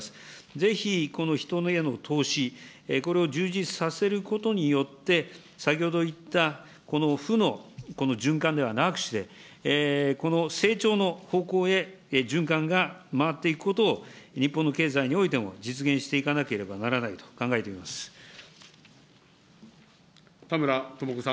ぜひこの人への投資、これを充実させることによって、先ほど言ったこの負の、この循環ではなくして、成長の方向へ循環が回っていくことを、日本の経済においても実現していかなければならないと考えていま田村智子さん。